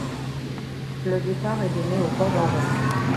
Le départ est donné au port d'Anvers.